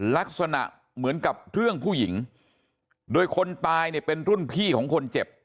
ลักษณะเหมือนกับเรื่องผู้หญิงโดยคนตายเนี่ยเป็นรุ่นพี่ของคนเจ็บ